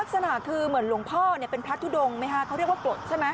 ลักษณะคือเหมือนหลวงพ่อเนี่ยเป็นพระทุดงไหมฮะเขาเรียกว่ากรดใช่ไหม